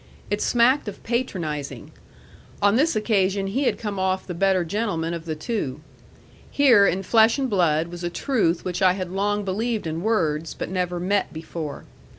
It smacked of patronizing: on this occasion he had come off the better gentleman of the two. Here in flesh and blood was a truth which I had long believed in words, but never met before.